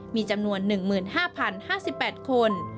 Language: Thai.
มีจำนวน๑๕๐๕๘คน